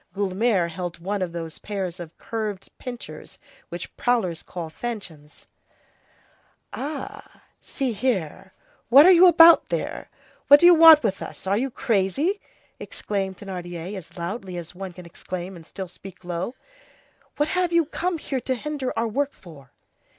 Guelemer held one of those pairs of curved pincers which prowlers call fanchons. "Ah, see here, what are you about there? What do you want with us? Are you crazy?" exclaimed Thénardier, as loudly as one can exclaim and still speak low; "what have you come here to hinder our work for?"